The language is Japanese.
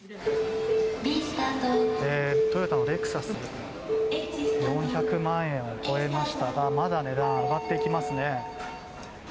トヨタのレクサス４００万円を超えましたがまだ値段、上がっていきますね。